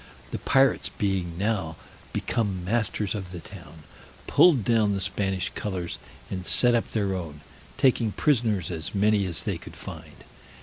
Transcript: The pirates being now become masters of the town, pulled down the Spanish colors and set up their own, taking prisoners as many as they could find.